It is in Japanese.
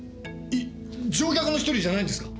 乗客の１人じゃないんですか？